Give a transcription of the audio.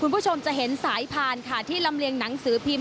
คุณผู้ชมจะเห็นสายพานค่ะที่ลำเลียงหนังสือพิมพ์